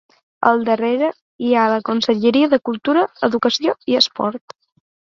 Al darrere, hi ha la Conselleria de Cultura, Educació i Esport.